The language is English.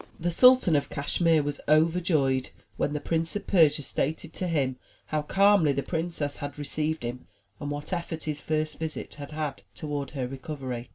The Sultan of Cashmere was overjoyed when the Prince of Persia stated to him how calmly the princess had received him and what effect his first visit had had toward her recovery.